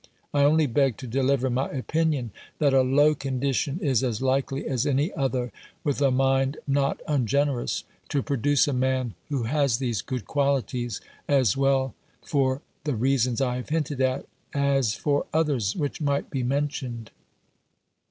I only beg to deliver my opinion, that a low condition is as likely as any other, with a mind not ungenerous, to produce a man who has these good qualities, as well for the reasons I have hinted at, as for others which might be mentioned.